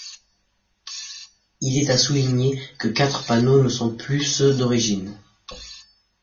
Il est à souligner que quatre panneaux ne sont plus ceux d'origine.